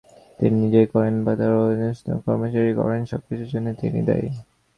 তিনি নিজেই করেন বা তার অধীনস্থ কর্মচারীরা করেন, সবকিছুর জন্যে তিনিই দায়ী।